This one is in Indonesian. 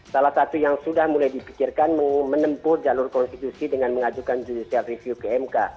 salah satu yang sudah mulai dipikirkan menempuh jalur konstitusi dengan mengajukan judicial review ke mk